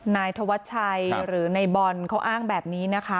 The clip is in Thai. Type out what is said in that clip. นายธวัชชัยหรือในบอลเขาอ้างแบบนี้นะคะ